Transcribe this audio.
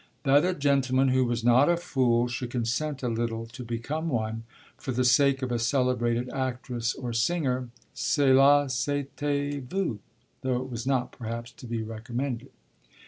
That a gentleman who was not a fool should consent a little to become one for the sake of a celebrated actress or singer cela s'était vu, though it was not perhaps to be recommended.